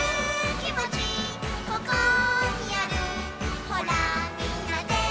「ここにあるほらみんなで」